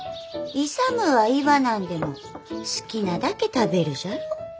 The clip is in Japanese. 勇は言わなんでも好きなだけ食べるじゃろ。